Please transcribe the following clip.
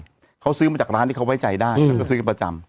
อยู่เชียงใหม่เขาซื้อมาจากร้านที่เขาไว้ใจได้เขาก็ซื้อประจำ